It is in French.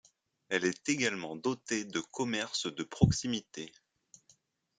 Elle est également dotée de commerces de proximité.